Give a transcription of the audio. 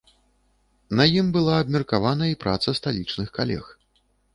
На ім была абмеркавана і праца сталічных калег.